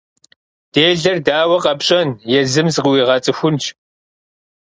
Делэр дауэ къэпщӏэн, езым зыкъыуигъэцӏыхунщ.